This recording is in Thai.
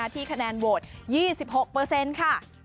ที่คะแนนโหวต๒๖ค่ะ